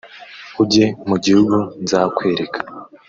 ujye mu gihugu nzakwereka